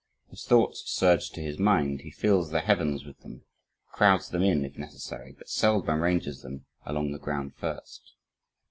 As thoughts surge to his mind, he fills the heavens with them, crowds them in, if necessary, but seldom arranges them, along the ground first.